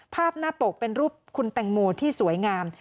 ภาพหน้าปกเป็นรูปคุณแตงโมที่สวยงาม